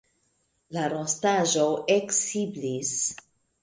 La rostaĵo eksiblis.